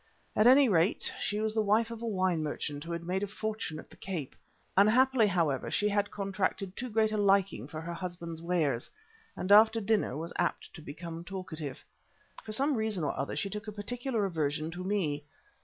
At any rate, she was the wife of a wine merchant who had made a fortune at the Cape. Unhappily, however, she had contracted too great a liking for her husband's wares, and after dinner was apt to become talkative. For some reason or other she took a particular aversion to me.